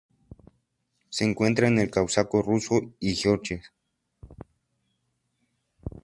Se encuentra en el Cáucaso ruso y Georgia.